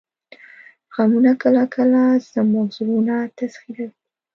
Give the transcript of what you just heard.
غمونه کله کله زموږ زړونه تسخیروي